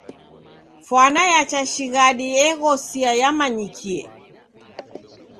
Fwana ya chashighadi eghosia yamanyikie.